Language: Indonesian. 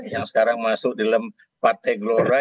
yang sekarang masuk dalam partai gelora